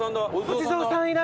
お地蔵さんいる。